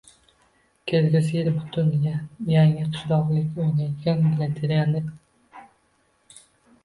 kelgusi yil butun yangiqishloqliklar o‘ynaydi lotoreyani.